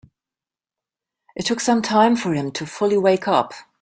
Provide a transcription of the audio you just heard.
It took some time for him to fully wake up.